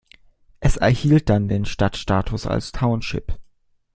Es erhielt dann den Stadtstatus als Township.